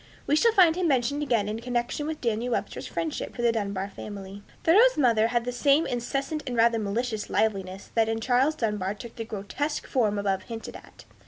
We shall find him mentioned again, in connection with Daniel Webster's friendship for the Dunbar family. Thoreau's mother had this same incessant and rather malicious liveliness that in Charles Dunbar took the grotesque form above hinted at.